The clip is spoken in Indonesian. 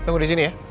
ja tunggu di sini ya